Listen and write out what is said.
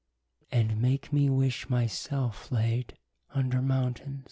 And make me wish my selfe layd under mountaines